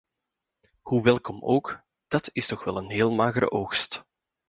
Hoe welkom ook, dat is toch wel een heel magere oogst!